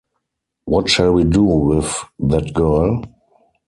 What shall we do with that girl?